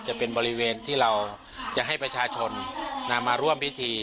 จะเป็นบริเวณที่เราจะให้ประชาชนนำมาร่วมพิธี